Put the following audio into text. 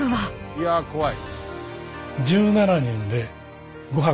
いや怖い！